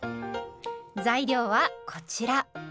材料はこちら。